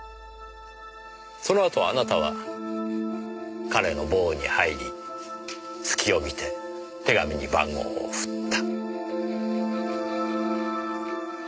そのあとあなたは彼の房に入りすきを見て手紙に番号を振った。